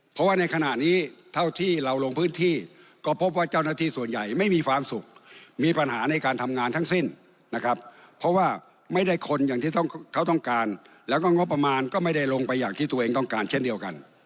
เพราะว่าในขณะนี้เท่าที่เราลงพื้นที่ก็พบว่าเจ้าหน้าที่ส่วนใหญ่ไม่มีความสุขมีปัญหาในการทำงานทั้งสิ้นนะครับเพราะว่าไม่ได้คนอย่างที่เขาต้องการแล้วก็งบประมาณก็ไม่ได้ลงไปอย่างที่ตัวเองต้องการเช่นเดียวกัน